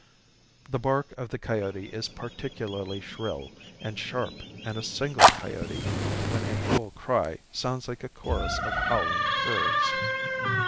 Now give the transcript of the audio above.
The bark of the coyote is particularly shrill and sharp and a single coyote when in full cry sounds like a chorus of howling curs.